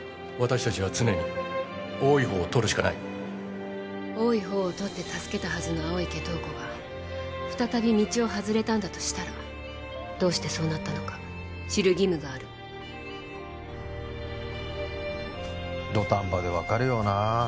私達は常に多い方をとるしかない多い方をとって助けたはずの青池透子が再び道を外れたんだとしたらどうしてそうなったのか知る義務がある土壇場で分かるよなあ